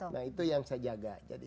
nah itu yang saya jaga